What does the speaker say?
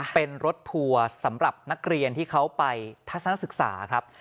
เป็นรถทัวร์สำหรับนักเรียนที่เขาไปทัศนศึกษาครับ